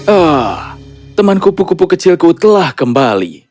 ah teman kupu kupu kecilku telah kembali